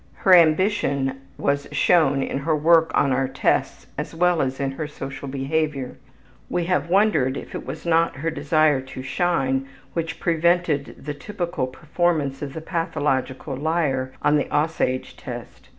Her ambition was shown in her work on our tests as well as in her social behavior. (We have wondered if it was not her desire to shine which prevented the typical performance of the pathological liar on the ``Aussage'' test.)